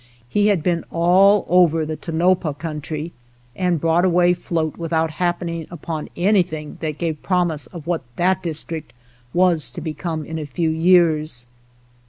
He had been all over the Tonopah country, and brought away float without happening upon anything that gave pro mise of what that district was to become in a few years.